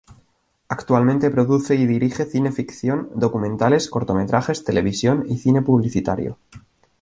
Actualmente produce y dirige cine ficción, documentales, cortometrajes, televisión y cine publicitario.